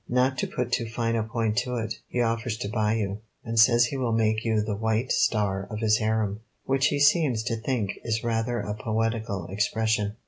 Not to put too fine a point to it, he offers to buy you, and says he will make you the White Star of his harem, which he seems to think is rather a poetical expression."